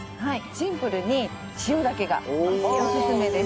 シンプルに塩だけがおすすめです。